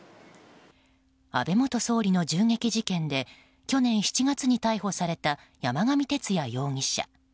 安倍元総理の銃撃事件で去年７月に逮捕された山上徹也容疑者。